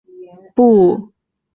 不能回复原状